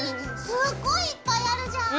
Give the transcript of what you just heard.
すっごいいっぱいあるじゃん。